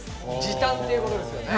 時短っていうことですよね。